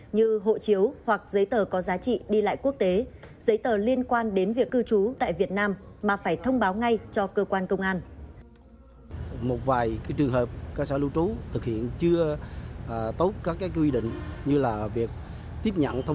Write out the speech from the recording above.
như hộ chiếu hoặc giấy tờ có giá trị đi lại quốc tế giấy tờ liên quan đến việc cư trú tại việt nam mà phải thông báo ngay cho cơ quan công an